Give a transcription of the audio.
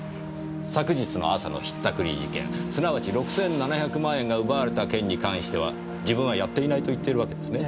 昨日の朝の引ったくり事件すなわち６７００万円が奪われた件に関しては自分はやっていないと言っているわけですね。